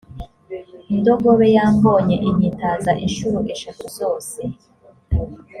indogobe yambonye, inyitaza incuro eshatu zose.